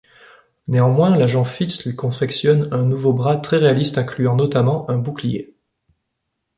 Néanmoins, l'agent Fitz lui confectionne un nouveau bras très réaliste incluant notamment un bouclier.